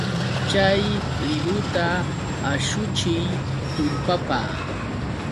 Chay libruta ashuchiy tullpapa!